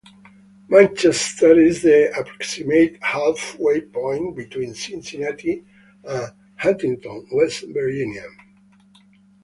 Manchester is the approximate halfway point between Cincinnati and Huntington, West Virginia.